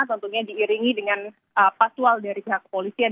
tentunya diiringi dengan pasual dari pihak kepolisian